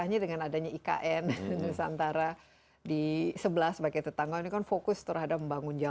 ya dengan tentu saja